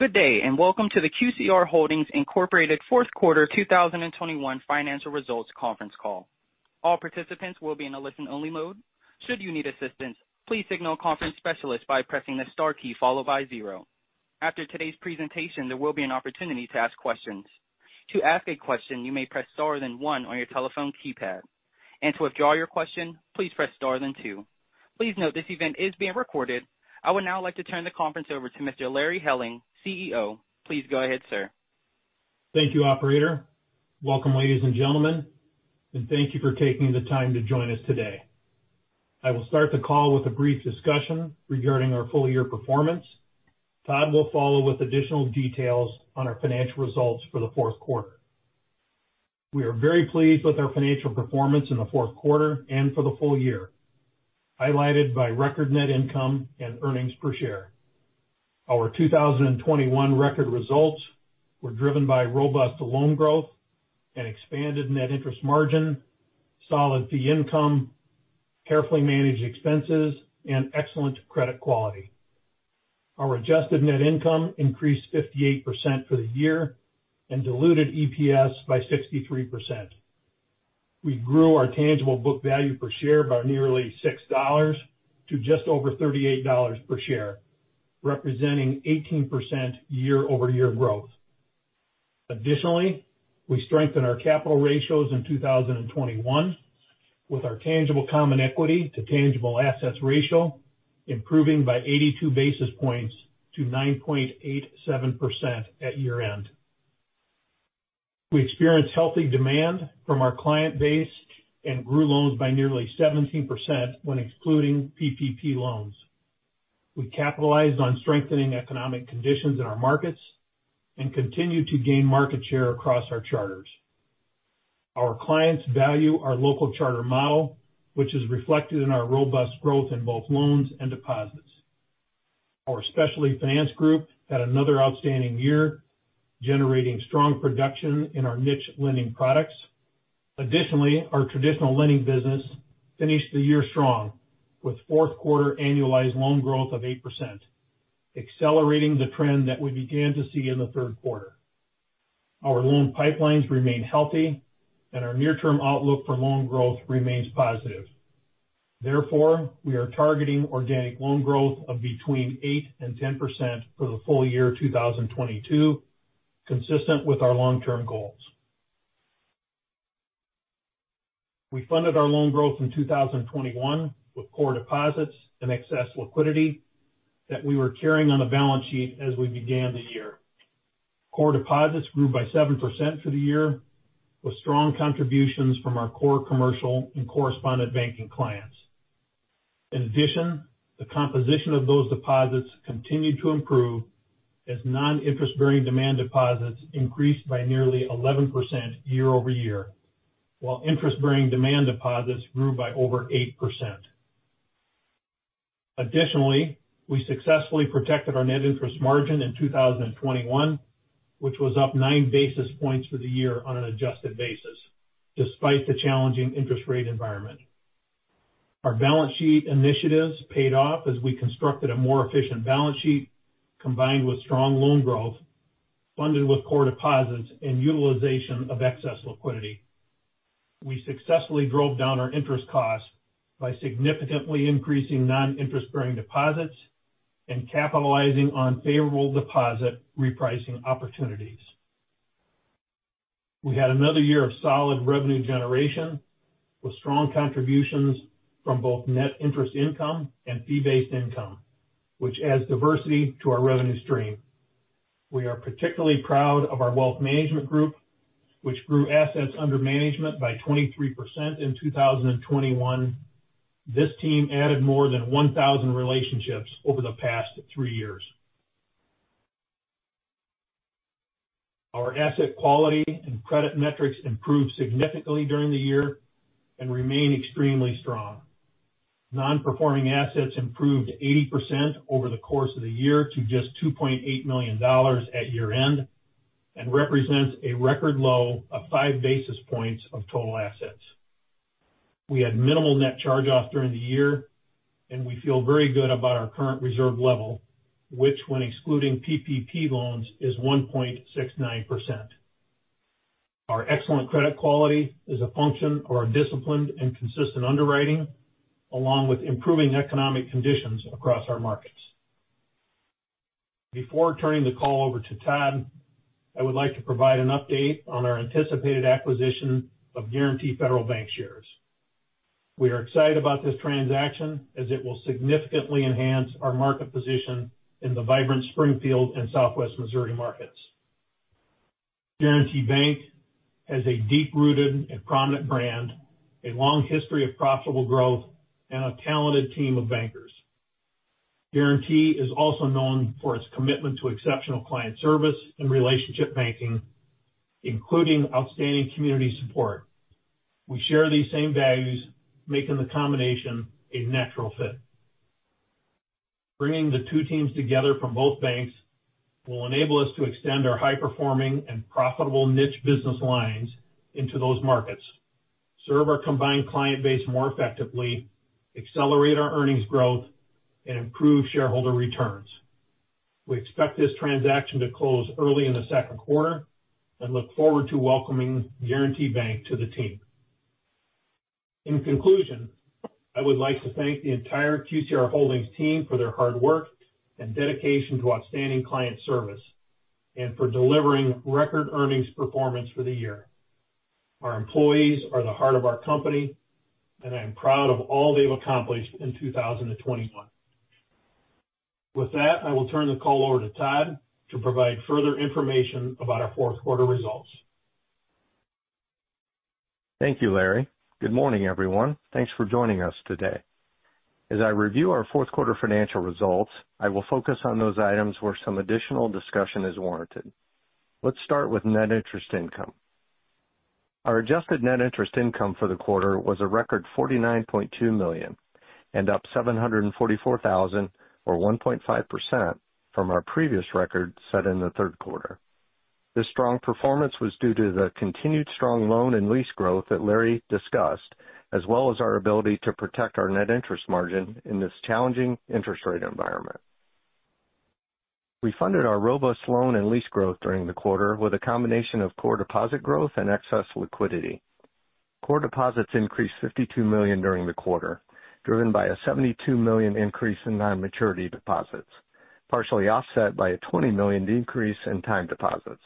Good day, and welcome to the QCR Holdings Inc Fourth Quarter 2021 Financial Results Conference Call. All participants will be in a listen-only mode. Should you need assistance, please signal a conference specialist by pressing the star key followed by zero. After today's presentation, there will be an opportunity to ask questions. To ask a question, you may press star then one on your telephone keypad. To withdraw your question, please press star then two. Please note this event is being recorded. I would now like to turn the conference over to Mr. Larry Helling, CEO. Please go ahead, sir. Thank you, operator. Welcome, ladies and gentlemen, and thank you for taking the time to join us today. I will start the call with a brief discussion regarding our full year performance. Todd will follow with additional details on our financial results for the fourth quarter. We are very pleased with our financial performance in the fourth quarter and for the full year, highlighted by record net income and earnings per share. Our 2021 record results were driven by robust loan growth and expanded net interest margin, solid fee income, carefully managed expenses, and excellent credit quality. Our adjusted net income increased 58% for the year and diluted EPS by 63%. We grew our tangible book value per share by nearly $6 to just over $38 per share, representing 18% year-over-year growth. Additionally, we strengthened our capital ratios in 2021 with our tangible common equity to tangible assets ratio improving by 82 basis points to 9.87% at year-end. We experienced healthy demand from our client base and grew loans by nearly 17% when excluding PPP loans. We capitalized on strengthening economic conditions in our markets and continued to gain market share across our charters. Our clients value our local charter model, which is reflected in our robust growth in both loans and deposits. Our specialty finance group had another outstanding year, generating strong production in our niche lending products. Additionally, our traditional lending business finished the year strong with fourth quarter annualized loan growth of 8%, accelerating the trend that we began to see in the third quarter. Our loan pipelines remain healthy and our near-term outlook for loan growth remains positive. Therefore, we are targeting organic loan growth of between 8% and 10% for the full year 2022, consistent with our long-term goals. We funded our loan growth in 2021 with core deposits and excess liquidity that we were carrying on the balance sheet as we began the year. Core deposits grew by 7% for the year, with strong contributions from our core commercial and correspondent banking clients. In addition, the composition of those deposits continued to improve as non-interest-bearing demand deposits increased by nearly 11% year-over-year, while interest-bearing demand deposits grew by over 8%. Additionally, we successfully protected our net interest margin in 2021, which was up 9 basis points for the year on an adjusted basis despite the challenging interest rate environment. Our balance sheet initiatives paid off as we constructed a more efficient balance sheet combined with strong loan growth, funded with core deposits and utilization of excess liquidity. We successfully drove down our interest costs by significantly increasing non-interest-bearing deposits and capitalizing on favorable deposit repricing opportunities. We had another year of solid revenue generation with strong contributions from both net interest income and fee-based income, which adds diversity to our revenue stream. We are particularly proud of our wealth management group, which grew assets under management by 23% in 2021. This team added more than 1,000 relationships over the past three years. Our asset quality and credit metrics improved significantly during the year and remain extremely strong. Non-performing assets improved 80% over the course of the year to just $2.8 million at year-end and represents a record low of 5 basis points of total assets. We had minimal net charge-offs during the year, and we feel very good about our current reserve level, which when excluding PPP loans, is 1.69%. Our excellent credit quality is a function of our disciplined and consistent underwriting, along with improving economic conditions across our markets. Before turning the call over to Todd, I would like to provide an update on our anticipated acquisition of Guaranty Federal Bancshares Inc shares. We are excited about this transaction as it will significantly enhance our market position in the vibrant Springfield and Southwest Missouri markets. Guaranty Bank has a deep-rooted and prominent brand, a long history of profitable growth, and a talented team of bankers. Guaranty is also known for its commitment to exceptional client service and relationship banking, including outstanding community support. We share these same values, making the combination a natural fit. Bringing the two teams together from both banks will enable us to extend our high-performing and profitable niche business lines into those markets, serve our combined client base more effectively, accelerate our earnings growth, and improve shareholder returns. We expect this transaction to close early in the second quarter and look forward to welcoming Guaranty Bank to the team. In conclusion, I would like to thank the entire QCR Holdings team for their hard work and dedication to outstanding client service and for delivering record earnings performance for the year. Our employees are the heart of our company, and I am proud of all they've accomplished in 2021. With that, I will turn the call over to Todd to provide further information about our fourth quarter results. Thank you, Larry. Good morning, everyone. Thanks for joining us today. As I review our fourth quarter financial results, I will focus on those items where some additional discussion is warranted. Let's start with net interest income. Our adjusted net interest income for the quarter was a record $49.2 million and up $744,000, or 1.5% from our previous record set in the third quarter. This strong performance was due to the continued strong loan and lease growth that Larry discussed, as well as our ability to protect our net interest margin in this challenging interest rate environment. We funded our robust loan and lease growth during the quarter with a combination of core deposit growth and excess liquidity. Core deposits increased $52 million during the quarter, driven by a $72 million increase in non-maturity deposits, partially offset by a $20 million decrease in time deposits.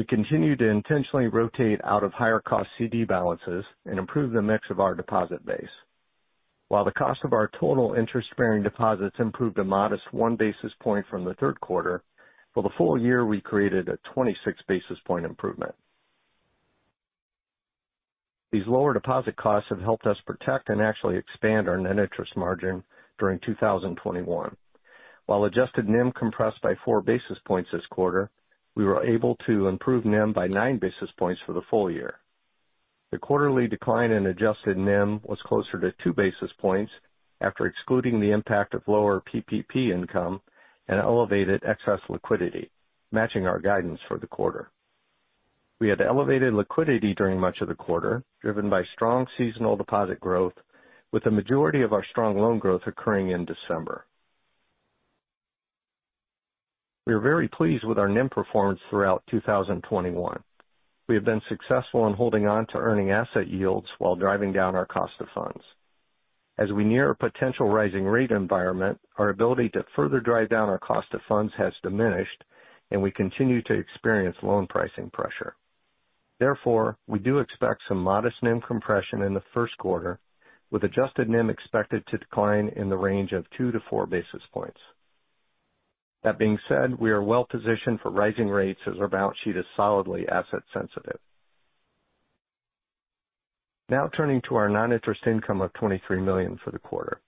We continue to intentionally rotate out of higher cost CD balances and improve the mix of our deposit base. While the cost of our total interest-bearing deposits improved a modest 1 basis point from the third quarter, for the full year, we created a 26 basis point improvement. These lower deposit costs have helped us protect and actually expand our net interest margin during 2021. While adjusted NIM compressed by 4 basis points this quarter, we were able to improve NIM by 9 basis points for the full year. The quarterly decline in adjusted NIM was closer to 2 basis points after excluding the impact of lower PPP income and elevated excess liquidity, matching our guidance for the quarter. We had elevated liquidity during much of the quarter, driven by strong seasonal deposit growth, with the majority of our strong loan growth occurring in December. We are very pleased with our NIM performance throughout 2021. We have been successful in holding on to earning asset yields while driving down our cost of funds. As we near a potential rising rate environment, our ability to further drive down our cost of funds has diminished, and we continue to experience loan pricing pressure. Therefore, we do expect some modest NIM compression in the first quarter, with adjusted NIM expected to decline in the range of 2-4 basis points. That being said, we are well positioned for rising rates as our balance sheet is solidly asset sensitive. Now turning to our non-interest income of $23 million for the quarter,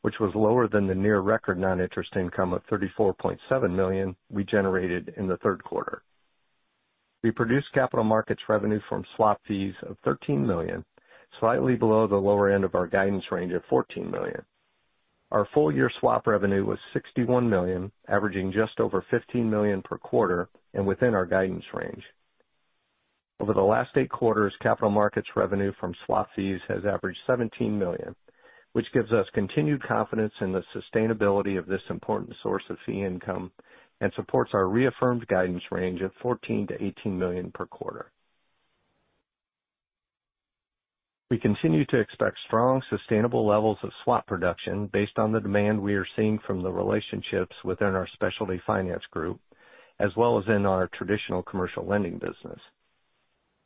which was lower than the near record non-interest income of $34.7 million we generated in the third quarter. We produced capital markets revenue from swap fees of $13 million, slightly below the lower end of our guidance range of $14 million. Our full year swap revenue was $61 million, averaging just over $15 million per quarter and within our guidance range. Over the last eight quarters, capital markets revenue from swap fees has averaged $17 million, which gives us continued confidence in the sustainability of this important source of fee income and supports our reaffirmed guidance range of $14 million-$18 million per quarter. We continue to expect strong, sustainable levels of swap production based on the demand we are seeing from the relationships within our specialty finance group, as well as in our traditional commercial lending business.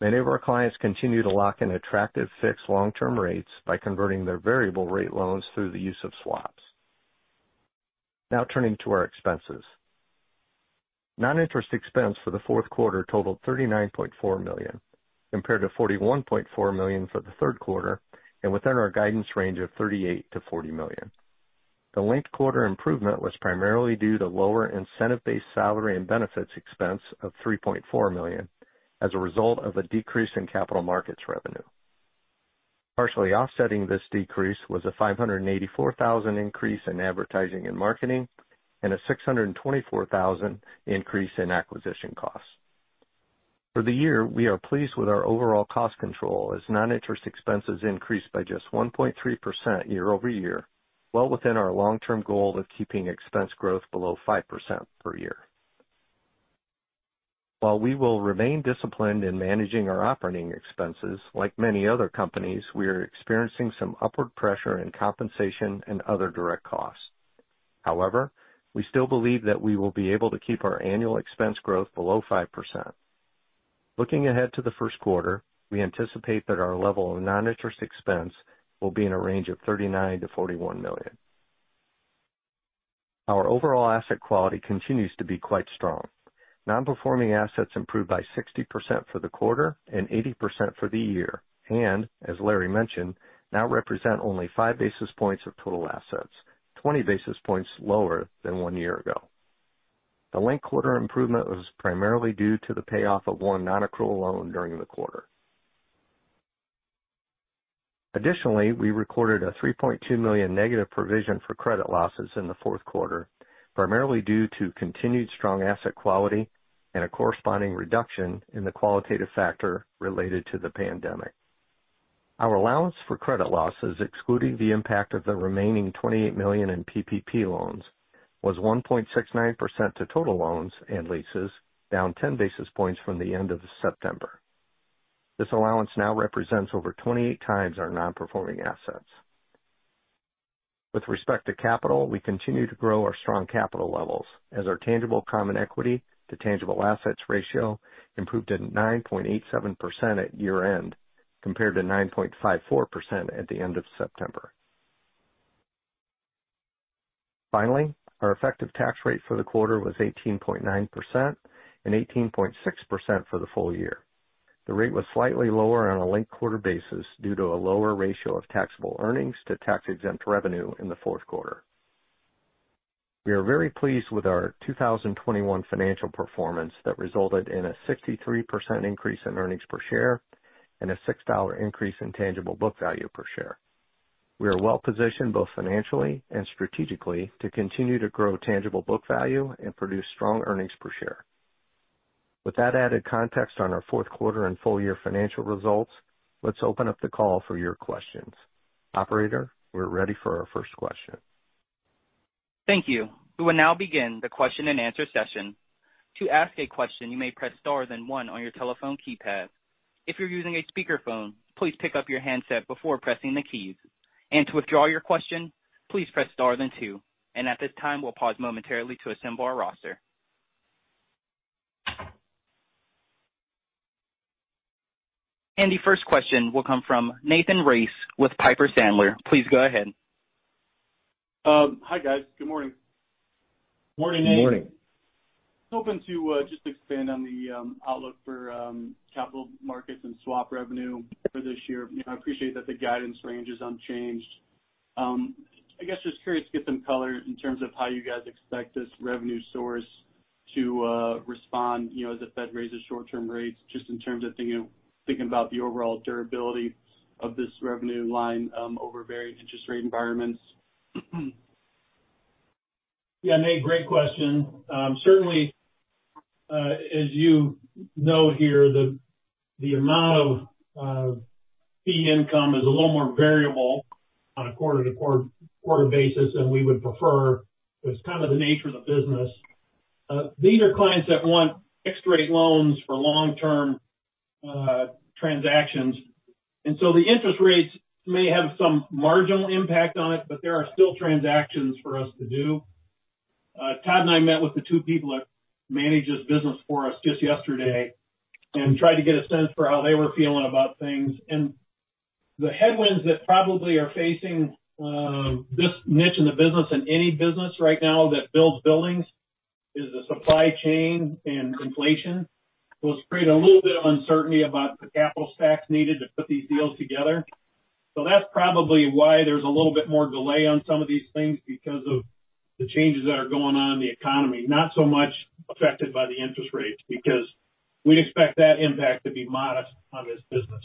Many of our clients continue to lock in attractive fixed long-term rates by converting their variable rate loans through the use of swaps. Now turning to our expenses. Non-interest expense for the fourth quarter totaled $39.4 million, compared to $41.4 million for the third quarter and within our guidance range of $38 million-$40 million. The linked quarter improvement was primarily due to lower incentive-based salary and benefits expense of $3.4 million as a result of a decrease in capital markets revenue. Partially offsetting this decrease was a $584 thousand increase in advertising and marketing and a $624,000 increase in acquisition costs. For the year, we are pleased with our overall cost control as non-interest expenses increased by just 1.3% year-over-year, well within our long-term goal of keeping expense growth below 5% per year. While we will remain disciplined in managing our operating expenses, like many other companies, we are experiencing some upward pressure in compensation and other direct costs. However, we still believe that we will be able to keep our annual expense growth below 5%. Looking ahead to the first quarter, we anticipate that our level of non-interest expense will be in a range of $39 million-$41 million. Our overall asset quality continues to be quite strong. Non-performing assets improved by 60% for the quarter and 80% for the year. As Larry mentioned, now represent only 5 basis points of total assets, 20 basis points lower than one year ago. The linked-quarter improvement was primarily due to the payoff of one non-accrual loan during the quarter. Additionally, we recorded a $3.2 million negative provision for credit losses in the fourth quarter, primarily due to continued strong asset quality and a corresponding reduction in the qualitative factor related to the pandemic. Our allowance for credit losses, excluding the impact of the remaining $28 million in PPP loans, was 1.69% of total loans and leases, down 10 basis points from the end of September. This allowance now represents over 28 times our non-performing assets. With respect to capital, we continue to grow our strong capital levels as our tangible common equity to tangible assets ratio improved at 9.87% at year-end compared to 9.54% at the end of September. Finally, our effective tax rate for the quarter was 18.9% and 18.6% for the full year. The rate was slightly lower on a linked quarter basis due to a lower ratio of taxable earnings to tax-exempt revenue in the fourth quarter. We are very pleased with our 2021 financial performance that resulted in a 63% increase in earnings per share and a $6 increase in tangible book value per share. We are well positioned both financially and strategically to continue to grow tangible book value and produce strong earnings per share. With that added context on our fourth quarter and full year financial results, let's open up the call for your questions. Operator, we're ready for our first question. Thank you. We will now begin the question-and-answer session. To ask a question, you may press star then one on your telephone keypad. If you're using a speakerphone, please pick up your handset before pressing the keys. To withdraw your question, please press star then two. At this time, we'll pause momentarily to assemble our roster. The first question will come from Nathan Race with Piper Sandler. Please go ahead. Hi, guys. Good morning. Morning, Nate. Morning. Hoping to just expand on the outlook for capital markets and swap revenue for this year. You know, I appreciate that the guidance range is unchanged. I guess just curious to get some color in terms of how you guys expect this revenue source to respond, you know, as the Fed raises short-term rates, just in terms of thinking about the overall durability of this revenue line over varying interest rate environments. Yeah, Nate, great question. Certainly, as you know here, the amount of fee income is a little more variable on a quarter-to-quarter basis than we would prefer. It's kind of the nature of the business. These are clients that want fixed rate loans for long-term transactions. The interest rates may have some marginal impact on it, but there are still transactions for us to do. Todd and I met with the two people that manage this business for us just yesterday and tried to get a sense for how they were feeling about things. The headwinds that probably are facing this niche in the business and any business right now that builds buildings is the supply chain and inflation. It's created a little bit of uncertainty about the capital stacks needed to put these deals together. That's probably why there's a little bit more delay on some of these things because of the changes that are going on in the economy, not so much affected by the interest rates, because we'd expect that impact to be modest on this business.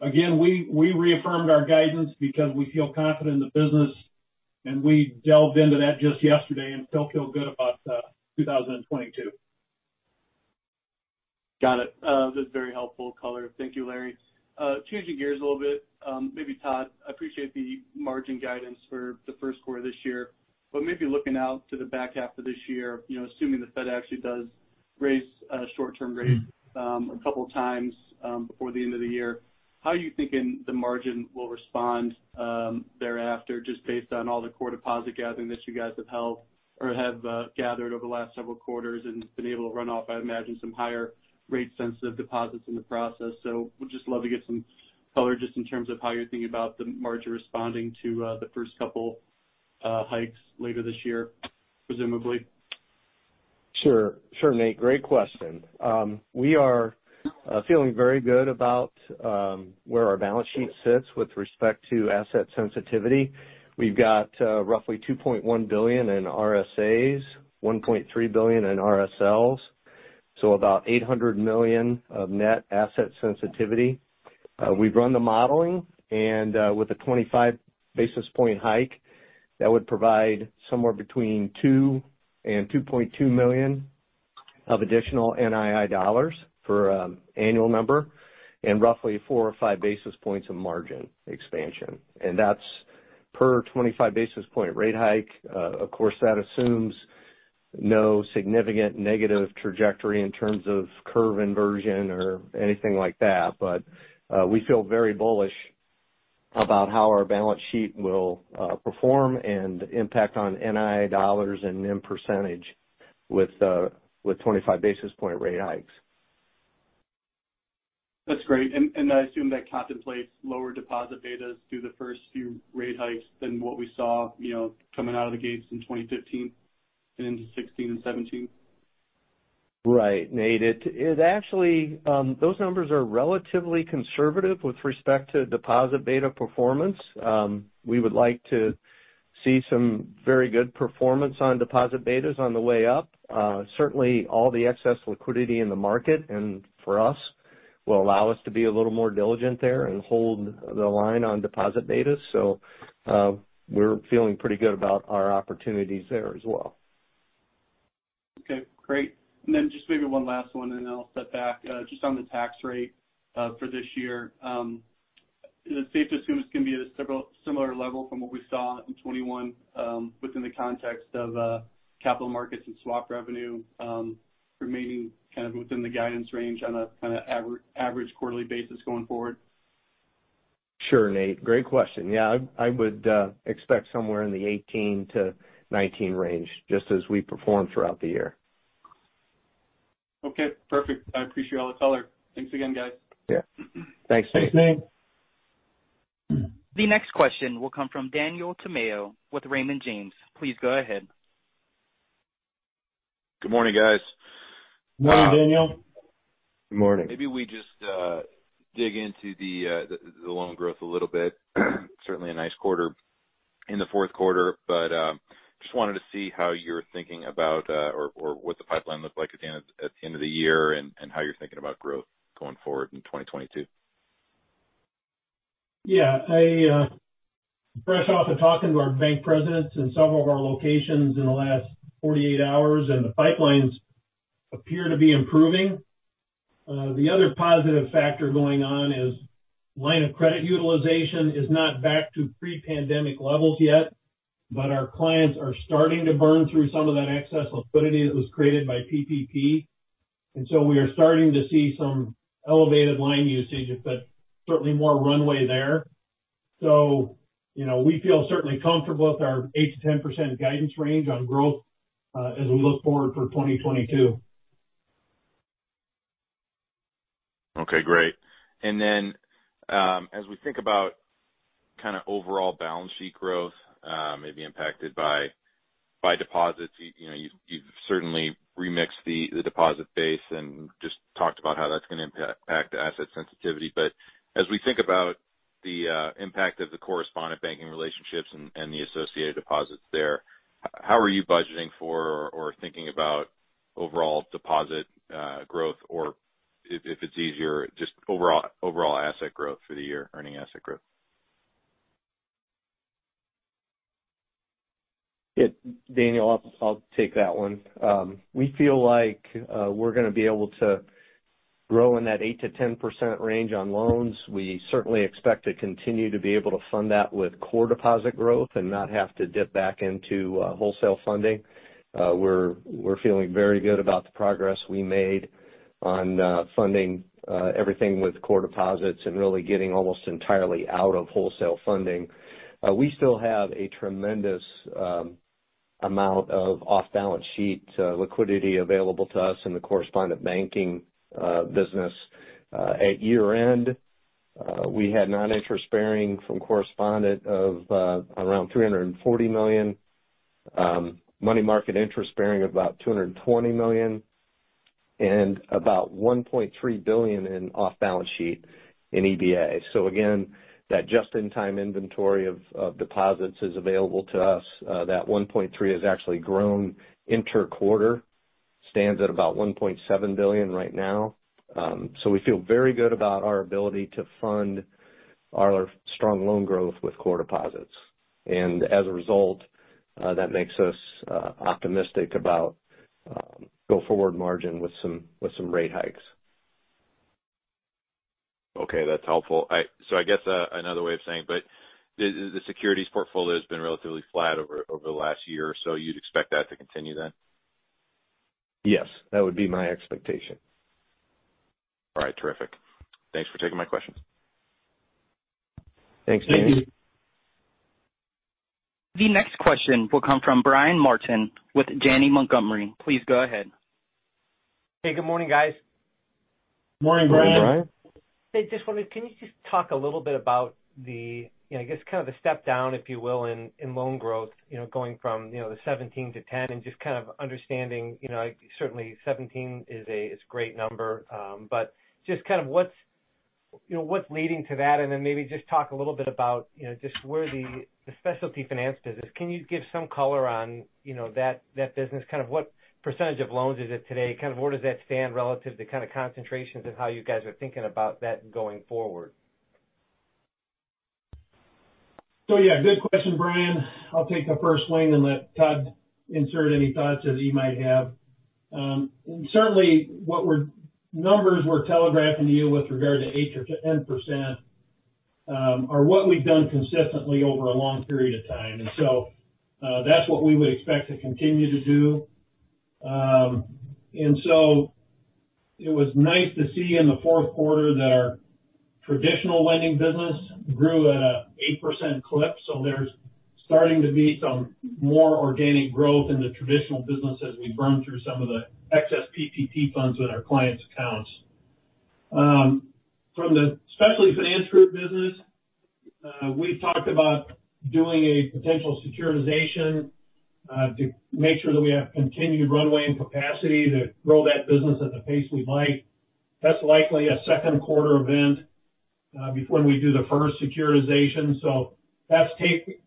Again, we reaffirmed our guidance because we feel confident in the business, and we delved into that just yesterday and still feel good about 2022. Got it. That's very helpful color. Thank you, Larry. Changing gears a little bit, maybe Todd, I appreciate the margin guidance for the first quarter this year, but maybe looking out to the back half of this year, you know, assuming the Fed actually does raise short-term rates a couple times before the end of the year, how are you thinking the margin will respond thereafter, just based on all the core deposit gathering that you guys have held or have gathered over the last several quarters and been able to run off, I imagine, some higher rate sensitive deposits in the process. Would just love to get some color just in terms of how you're thinking about the margin responding to the first couple hikes later this year, presumably. Sure, Nate. Great question. We are feeling very good about where our balance sheet sits with respect to asset sensitivity. We've got roughly $2.1 billion in RSAs, $1.3 billion in RSLs, so about $800 million of net asset sensitivity. We've run the modeling, and with a 25 basis point hike, that would provide somewhere between $2 million and $2.2 million of additional NII dollars for annual number and roughly 4 or 5 basis points of margin expansion. That's per 25 basis point rate hike. Of course, that assumes no significant negative trajectory in terms of curve inversion or anything like that. We feel very bullish about how our balance sheet will perform and impact on NII dollars and NIM percentage with 25 basis point rate hikes. That's great. I assume that contemplates lower deposit betas through the first few rate hikes than what we saw, you know, coming out of the gates in 2015 and into 2016 and 2017. Right, Nate. It actually those numbers are relatively conservative with respect to deposit beta performance. We would like to see some very good performance on deposit betas on the way up. Certainly all the excess liquidity in the market and for us will allow us to be a little more diligent there and hold the line on deposit betas. We're feeling pretty good about our opportunities there as well. Okay, great. Just maybe one last one, and then I'll step back. Just on the tax rate for this year. Is it safe to assume it's gonna be at a similar level from what we saw in 2021, within the context of capital markets and swap revenue remaining kind of within the guidance range on a average quarterly basis going forward? Sure, Nate. Great question. Yeah, I would expect somewhere in the 18-19 range, just as we perform throughout the year. Okay, perfect. I appreciate all the color. Thanks again, guys. Yeah. Thanks, Nate. Thanks, Nate. The next question will come from Daniel Tamayo with Raymond James. Please go ahead. Good morning, guys. Morning, Daniel. Good morning. Maybe we just dig into the loan growth a little bit. Certainly a nice quarter in the fourth quarter. Just wanted to see how you're thinking about or what the pipeline looked like at the end of the year and how you're thinking about growth going forward in 2022. Yeah. I fresh off of talking to our bank presidents in several of our locations in the last 48 hours, and the pipelines appear to be improving. The other positive factor going on is line of credit utilization is not back to pre-pandemic levels yet, but our clients are starting to burn through some of that excess liquidity that was created by PPP. We are starting to see some elevated line usage, but certainly more runway there. You know, we feel certainly comfortable with our 8%-10% guidance range on growth as we look forward for 2022. Okay, great. Then, as we think about kinda overall balance sheet growth, maybe impacted by deposits, you know, you've certainly remixed the deposit base and just talked about how that's gonna impact asset sensitivity. As we think about the impact of the correspondent banking relationships and the associated deposits there, how are you budgeting for or thinking about overall deposit growth, or if it's easier, just overall asset growth for the year, earning asset growth? Yeah. Daniel, I'll take that one. We feel like we're gonna be able to grow in that 8%-10% range on loans. We certainly expect to continue to be able to fund that with core deposit growth and not have to dip back into wholesale funding. We're feeling very good about the progress we made on funding everything with core deposits and really getting almost entirely out of wholesale funding. We still have a tremendous amount of off-balance sheet liquidity available to us in the correspondent banking business. At year-end, we had non-interest bearing from correspondent of around $340 million, money market interest bearing of about $220 million, and about $1.3 billion in off-balance sheet in EBA. Again, that just-in-time inventory of deposits is available to us. That $1.3 has actually grown inter-quarter. It stands at about $1.7 billion right now. We feel very good about our ability to fund our strong loan growth with core deposits. As a result, that makes us optimistic about go-forward margin with some rate hikes. Okay, that's helpful. I guess, another way of saying it, but the securities portfolio's been relatively flat over the last year, so you'd expect that to continue then? Yes, that would be my expectation. All right, terrific. Thanks for taking my questions. Thanks, Daniel. The next question will come from Brian Martin with Janney Montgomery. Please go ahead. Hey, good morning, guys. Morning, Brian. Morning, Brian. Hey, just wondering, can you just talk a little bit about the, you know, I guess kind of the step down, if you will, in loan growth, you know, going from 17%-10% and just kind of understanding, you know, certainly 17% is a great number. But just kind of what's leading to that? Then maybe just talk a little bit about, you know, just where the specialty finance business. Can you give some color on that business? Kind of what percentage of loans is it today? Kind of where does that stand relative to concentrations and how you guys are thinking about that going forward? Yeah. Good question, Brian. I'll take the first swing and let Todd insert any thoughts that he might have. Certainly numbers we're telegraphing to you with regard to 8%-10% are what we've done consistently over a long period of time. That's what we would expect to continue to do. It was nice to see in the fourth quarter that our traditional lending business grew at an 8% clip. There's starting to be some more organic growth in the traditional business as we burn through some of the excess PPP funds in our clients' accounts. From the specialty finance group business, we've talked about doing a potential securitization to make sure that we have continued runway and capacity to grow that business at the pace we'd like. That's likely a second quarter event before we do the first securitization. That's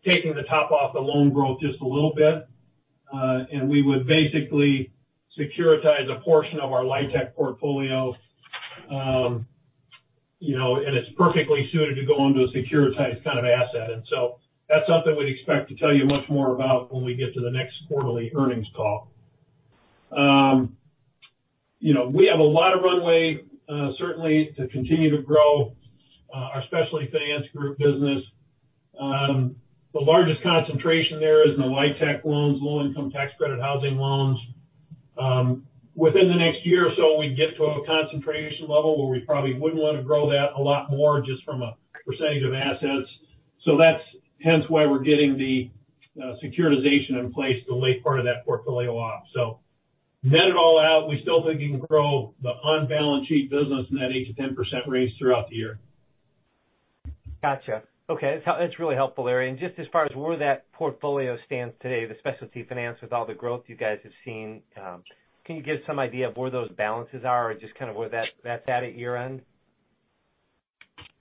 taking the top off the loan growth just a little bit. We would basically securitize a portion of our LIHTC portfolio. You know, it's perfectly suited to go into a securitized kind of asset. That's something we'd expect to tell you much more about when we get to the next quarterly earnings call. You know, we have a lot of runway, certainly to continue to grow our specialty finance group business. The largest concentration there is in the LIHTC loans, Low-Income Housing Tax Credit housing loans. Within the next year or so, we get to a concentration level where we probably wouldn't want to grow that a lot more just from a percentage of assets. That's hence why we're getting the securitization in place to lay part of that portfolio off. Net it all out, we still think we can grow the on-balance sheet business in that 8%-10% range throughout the year. Gotcha. Okay. That's really helpful, Larry. Just as far as where that portfolio stands today, the specialty finance with all the growth you guys have seen, can you give some idea of where those balances are or just kind of where that's at your end?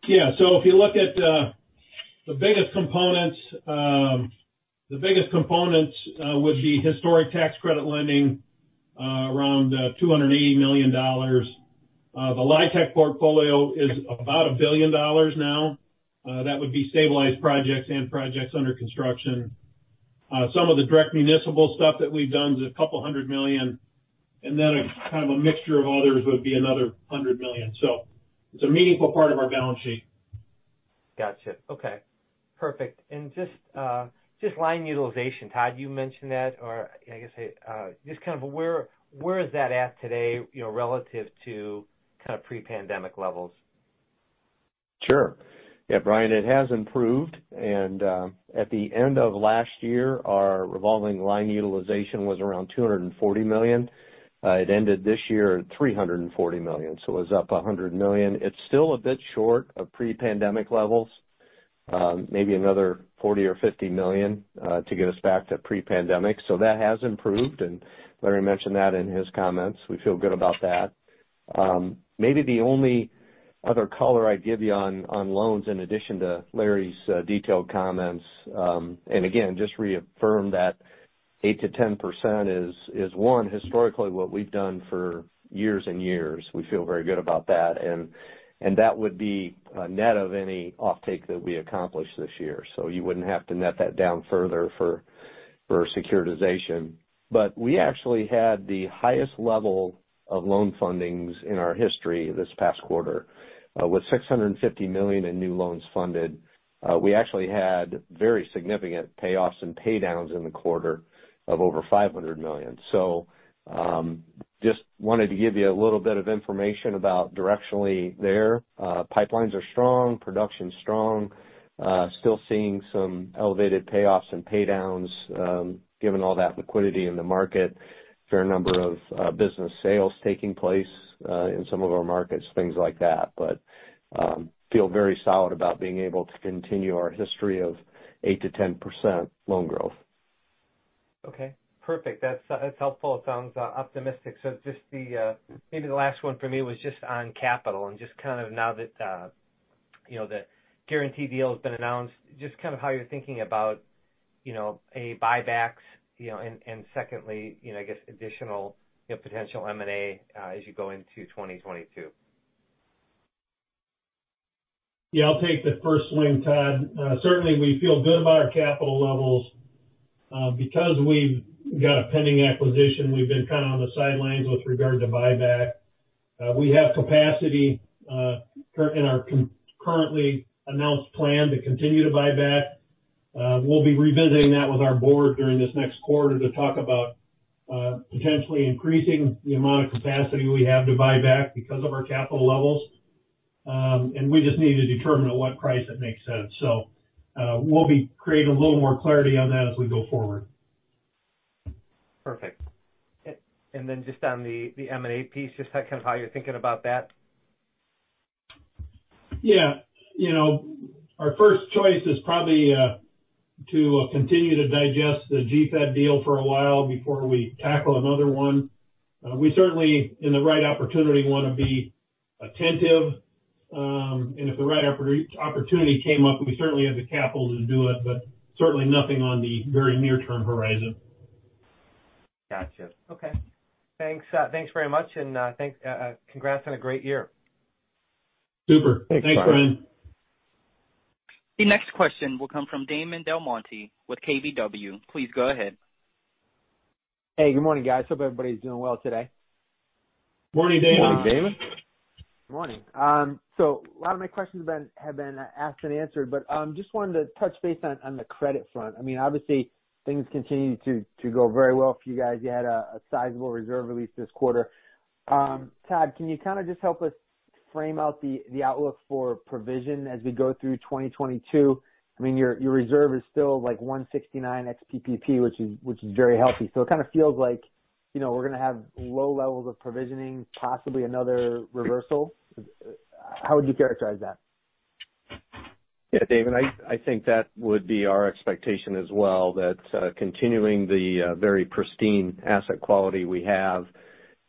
Yeah. If you look at the biggest components, the biggest components would be historic tax credit lending around $280 million. The LIHTC portfolio is about $1 billion now. That would be stabilized projects and projects under construction. Some of the direct municipal stuff that we've done is $100 million, and then kind of a mixture of others would be another $100 million. It's a meaningful part of our balance sheet. Gotcha. Okay. Perfect. Just line utilization. Todd, you mentioned that, or I guess just kind of where is that at today, you know, relative to kind of pre-pandemic levels? Sure. Yeah, Brian, it has improved. At the end of last year, our revolving line utilization was around $240 million. It ended this year at $340 million, so it was up $100 million. It's still a bit short of pre-pandemic levels, maybe another $40 million or $50 million to get us back to pre-pandemic. That has improved. Larry mentioned that in his comments. We feel good about that. Maybe the only other color I'd give you on loans in addition to Larry's detailed comments. And again, just reaffirm that 8%-10% is one, historically, what we've done for years and years. We feel very good about that. That would be a net of any offtake that we accomplish this year. You wouldn't have to net that down further for securitization. We actually had the highest level of loan fundings in our history this past quarter with $650 million in new loans funded. We actually had very significant payoffs and pay downs in the quarter of over $500 million. Just wanted to give you a little bit of information about directionally there. Pipelines are strong, production's strong. Still seeing some elevated payoffs and pay downs given all that liquidity in the market. Fair number of business sales taking place in some of our markets, things like that. Feel very solid about being able to continue our history of 8%-10% loan growth. Okay. Perfect. That's helpful. It sounds optimistic. Just the maybe the last one for me was just on capital and just kind of now that you know the Guaranty deal has been announced, just kind of how you're thinking about you know a buybacks you know and secondly you know I guess additional you know potential M&A as you go into 2022. Yeah, I'll take the first swing, Todd. Certainly we feel good about our capital levels. Because we've got a pending acquisition, we've been kind of on the sidelines with regard to buyback. We have capacity in our currently announced plan to continue to buy back. We'll be revisiting that with our board during this next quarter to talk about potentially increasing the amount of capacity we have to buy back because of our capital levels. And we just need to determine at what price that makes sense. We'll be creating a little more clarity on that as we go forward. Perfect. Just on the M&A piece, just kind of how you're thinking about that? Yeah. You know, our first choice is probably to continue to digest the GFED deal for a while before we tackle another one. We certainly, in the right opportunity, wanna be attentive, and if the right opportunity came up, we certainly have the capital to do it, but certainly nothing on the very near-term horizon. Gotcha. Okay. Thanks very much. Thanks, congrats on a great year. Super. Thanks, Brian. Thanks, Brian. The next question will come from Damon DelMonte with KBW. Please go ahead. Hey, good morning, guys. Hope everybody's doing well today. Morning, Damon. Morning, Damon. Good morning. A lot of my questions have been asked and answered, but just wanted to touch base on the credit front. I mean, obviously things continue to go very well for you guys. You had a sizable reserve release this quarter. Todd, can you kind of just help us frame out the outlook for provision as we go through 2022? I mean, your reserve is still like 169 ex PPP, which is very healthy. It kind of feels like, you know, we're gonna have low levels of provisioning, possibly another reversal. How would you characterize that? Yeah, Damon, I think that would be our expectation as well, that continuing the very pristine asset quality we have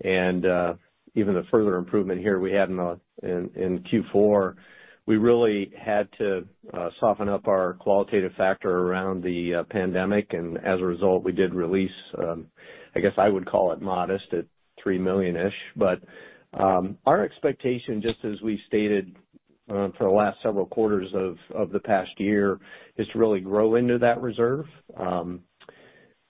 and even the further improvement here we had in Q4. We really had to soften up our qualitative factor around the pandemic. As a result, we did release, I guess I would call it modest at $3 million. Our expectation, just as we've stated, for the last several quarters of the past year, is to really grow into that reserve.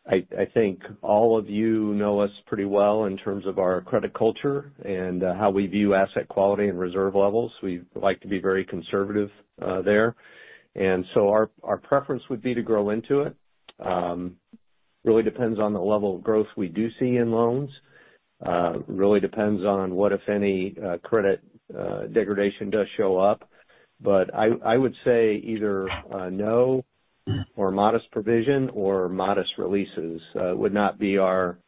I think all of you know us pretty well in terms of our credit culture and how we view asset quality and reserve levels. We like to be very conservative there. Our preference would be to grow into it. Really depends on the level of growth we do see in loans. Really depends on what, if any, credit degradation does show up. I would say either no or modest provision or modest releases would not be our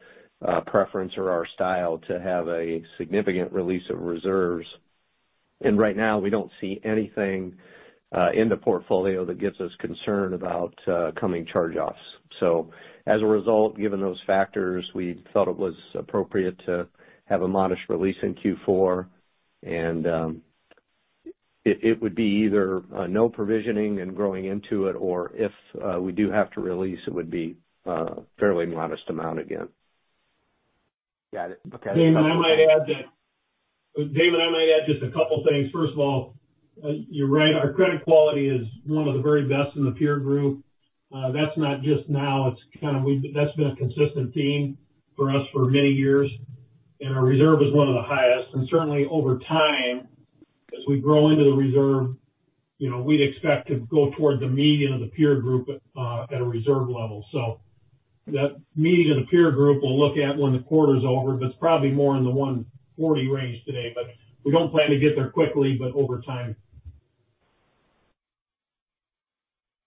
preference or our style to have a significant release of reserves. Right now we don't see anything in the portfolio that gives us concern about coming charge-offs. As a result, given those factors, we thought it was appropriate to have a modest release in Q4. It would be either no provisioning and growing into it or if we do have to release, it would be a fairly modest amount again. Got it. Okay. Damon, I might add just a couple things. First of all, you're right, our credit quality is one of the very best in the peer group. That's not just now, it's kind of that's been a consistent theme for us for many years. Our reserve is one of the highest. Certainly over time, as we grow into the reserve, you know, we'd expect to go toward the median of the peer group, at a reserve level. That median of the peer group we'll look at when the quarter's over, but it's probably more in the 1.40% range today. We don't plan to get there quickly, but over time.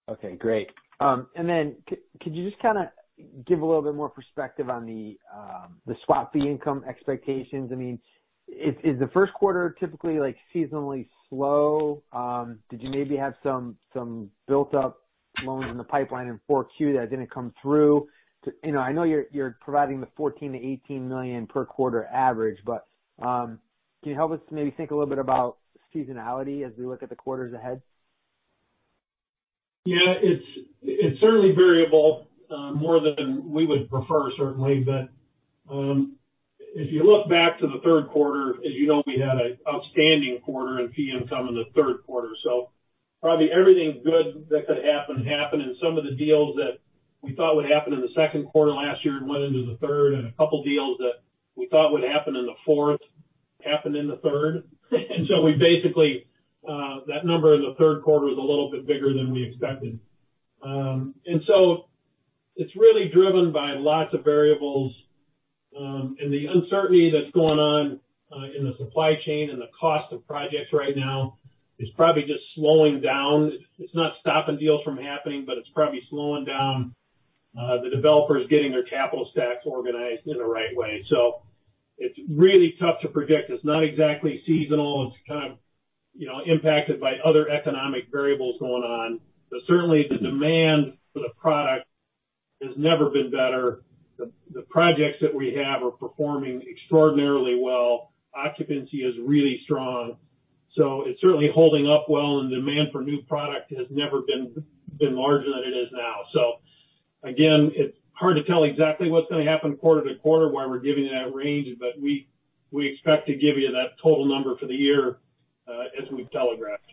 Okay, great. Could you just kinda give a little bit more perspective on the swap fee income expectations? I mean, is the first quarter typically like seasonally slow? Did you maybe have some built up loans in the pipeline in 4Q that are gonna come through? You know, I know you're providing the $14 million-$18 million per quarter average, but can you help us maybe think a little bit about seasonality as we look at the quarters ahead? Yeah. It's certainly variable, more than we would prefer certainly. If you look back to the third quarter, as you know, we had an outstanding quarter in fee income in the third quarter. Probably everything good that could happen, happened. Some of the deals that we thought would happen in the second quarter last year went into the third, and a couple deals that we thought would happen in the fourth happened in the third. We basically, that number in the third quarter was a little bit bigger than we expected. It's really driven by lots of variables, and the uncertainty that's going on in the supply chain and the cost of projects right now is probably just slowing down. It's not stopping deals from happening, but it's probably slowing down the developers getting their capital stacks organized in the right way. It's really tough to predict. It's not exactly seasonal. It's kind of, you know, impacted by other economic variables going on. Certainly the demand for the product has never been better. The projects that we have are performing extraordinarily well. Occupancy is really strong. It's certainly holding up well, and demand for new product has never been larger than it is now. Again, it's hard to tell exactly what's gonna happen quarter to quarter, why we're giving that range. We expect to give you that total number for the year, as we've telegraphed.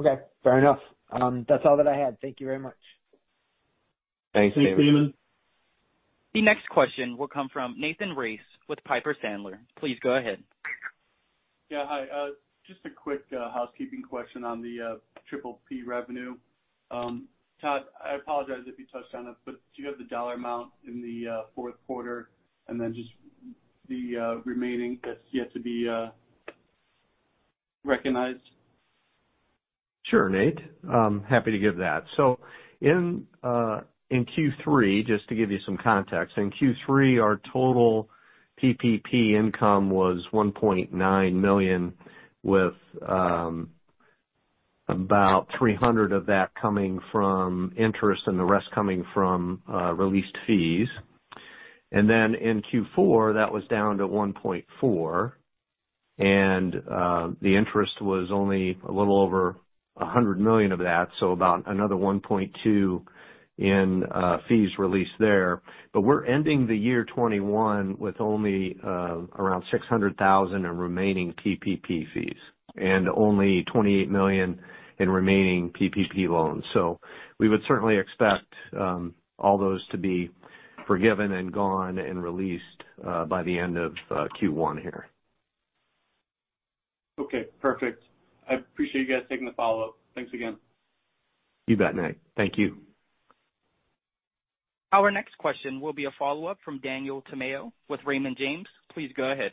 Okay, fair enough. That's all that I had. Thank you very much. Thanks, Damon. Thanks, Damon. The next question will come from Nathan Race with Piper Sandler. Please go ahead. Hi. Just a quick housekeeping question on the PPP revenue. Todd, I apologize if you touched on this, but do you have the dollar amount in the fourth quarter and then just the remaining that's yet to be recognized? Sure, Nate. I'm happy to give that. In Q3, just to give you some context. Our total PPP income was $1.9 million, with about $300,000 of that coming from interest and the rest coming from released fees. In Q4, that was down to $1.4 million. The interest was only a little over a $100 million of that, so about another $1.2 million in fees released there. We're ending the year 2021 with only around $600,000 in remaining PPP fees and only $28 million in remaining PPP loans. We would certainly expect all those to be forgiven and gone and released by the end of Q1 here. Okay, perfect. I appreciate you guys taking the follow-up. Thanks again. You bet, Nate. Thank you. Our next question will be a follow-up from Daniel Tamayo with Raymond James. Please go ahead.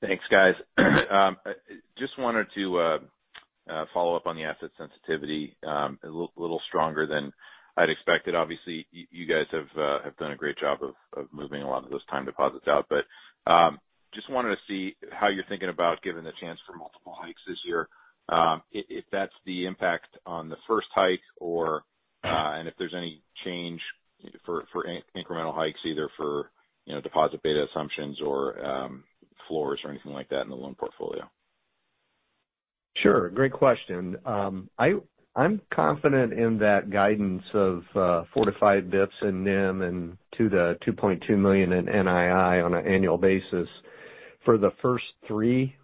Thanks, guys. Just wanted to follow up on the asset sensitivity. It looked a little stronger than I'd expected. Obviously, you guys have done a great job of moving a lot of those time deposits out. Just wanted to see how you're thinking about given the chance for multiple hikes this year, if that's the impact on the first hike or and if there's any change for incremental hikes, either for, you know, deposit beta assumptions or floors or anything like that in the loan portfolio. Sure. Great question. I'm confident in that guidance of 4-5 basis points in NIM and $2 million-$2.2 million in NII on an annual basis. For the first three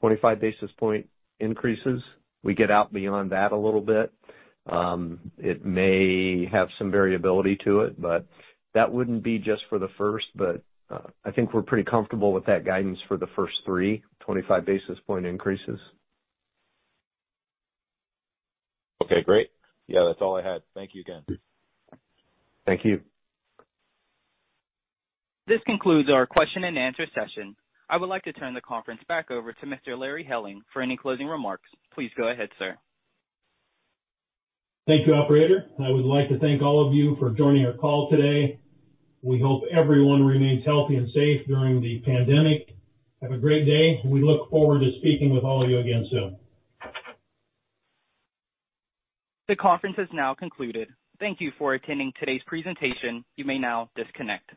25 basis point increases, we get out beyond that a little bit. It may have some variability to it, but that wouldn't be just for the first. I think we're pretty comfortable with that guidance for the first three 25 basis point increases. Okay, great. Yeah, that's all I had. Thank you again. Thank you. This concludes our question and answer session. I would like to turn the conference back over to Mr. Larry Helling for any closing remarks. Please go ahead, sir. Thank you, operator. I would like to thank all of you for joining our call today. We hope everyone remains healthy and safe during the pandemic. Have a great day. We look forward to speaking with all of you again soon. The conference has now concluded. Thank you for attending today's presentation. You may now disconnect.